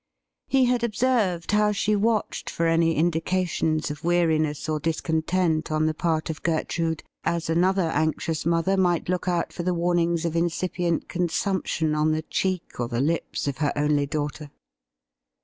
He had observed how she watched for any indications of weariness or dis content on the part of Gertrude, as another anxious mother might look out for the warnings of insipient con sumption on the cheek or the lips of her only daughter.